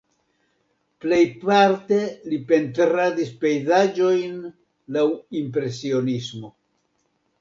Plejparte li pentradis pejzaĝojn laŭ impresionismo.